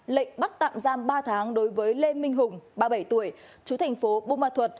lệnh bắt tạm giam ba tháng đối với lê minh hùng ba mươi bảy tuổi chú thành phố bù ma thuật